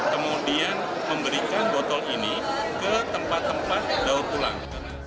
kemudian memberikan botol ini ke tempat tempat daur ulang